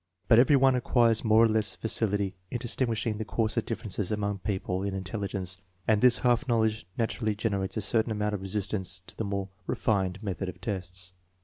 But every one acquires more or less facility in distinguishing the coarser differences among people in intelligence, and this half knowledge naturally generates a certain amount of resistance to the more refined method of tests.